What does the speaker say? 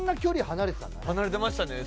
離れてましたね